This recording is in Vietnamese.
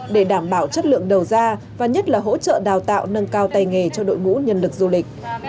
để đảm bảo chất lượng đầu ra và nhất là hỗ trợ đào tạo nâng cao tay nghề cho đội ngũ nhân lực du lịch